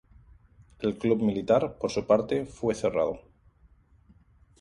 El Club Militar, por su parte, fue cerrado.